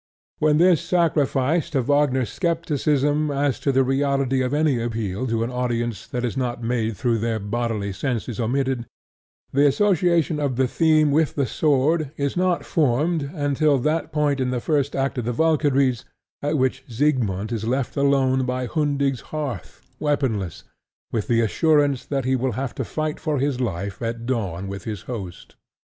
When this sacrifice to Wagner's scepticism as to the reality of any appeal to an audience that is not made through their bodily sense is omitted, the association of the theme with the sword is not formed until that point in the first act of The Valkyries at which Siegmund is left alone by Hunding's hearth, weaponless, with the assurance that he will have to fight for his life at dawn with his host.